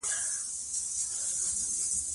ډيپلوماسي د نړیوالو اړیکو د ودې لپاره حیاتي ده.